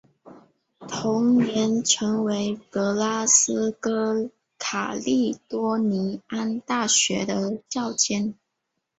同年成为格拉斯哥卡利多尼安大学的校监。